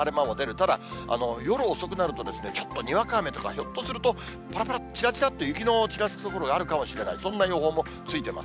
ただ、夜遅くなると、ちょっとにわか雨とか、ひょっとすると、ぱらぱら、ちらちらっと雪のちらつく所があるかもしれない、そんな予報もついてます。